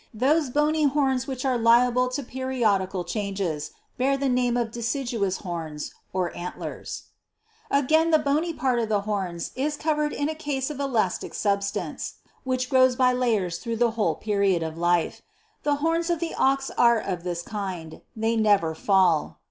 Those bony horns which are liable to periodical changes, bear the name of deciduous horns, (antlers.) 25. Again, the bony part of the horns is covered in a case of elastic substance which grows by layers through the whole period of life ; the horns of the ox are of this kind ; they never fall.